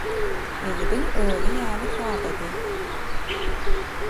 Ýigidiň özi ýaly sadady.